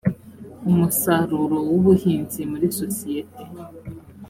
umusaruro w ubuhinzi muri sosiyete